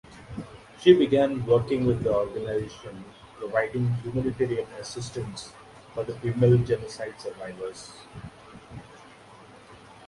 She began working with the organisation providing humanitarian assistance for the female genocide survivors.